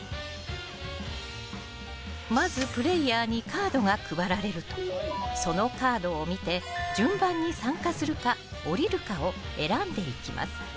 まずプレーヤーにカードが配られるとそのカードを見て順番に参加するか、降りるかを選んでいきます。